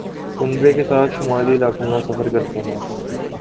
کنبہ کے ساتھ شمالی علاقوں کا سفر کرتے ہیں